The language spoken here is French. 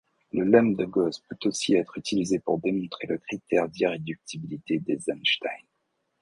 Le lemme de Gauss peut aussi être utilisé pour démontrer le critère d'irréductibilité d'Eisenstein.